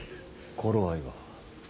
頃合いは。